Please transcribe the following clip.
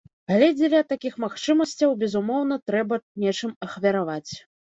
Але дзеля такіх магчымасцяў, безумоўна, трэба нечым ахвяраваць.